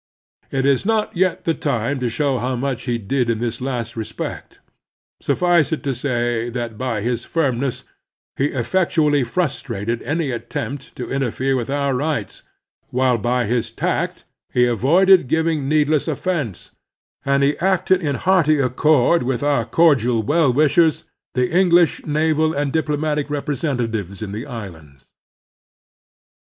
It is not yet the time to show how much he did in this last respect. Suffice it to say that by his firmness he effectually frustrated any attempt to interfere with otn rights, while by his tact he avoided giving needless offense, and he acted in hearty accord with owe cordial well wishers, the English naval and diplomatic representatives in the islands.